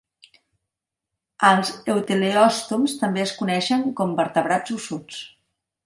Els euteleòstoms també es coneixen com "vertebrats ossuts".